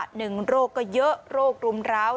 หนึ่งโรคก็เยอะโรครุมร้าว